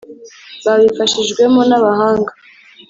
babifashijwemo n’abahanga